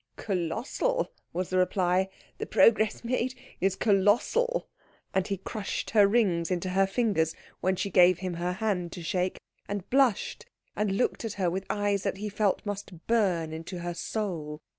"Colossal," was the reply, "the progress made is colossal." And he crushed her rings into her fingers when she gave him her hand to shake, and blushed, and looked at her with eyes that he felt must burn into her soul.